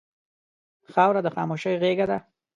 خاوره د خاموشۍ غېږه ده.